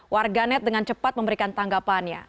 warga net dengan cepat memberikan tanggapannya